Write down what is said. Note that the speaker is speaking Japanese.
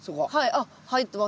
あっ入ってます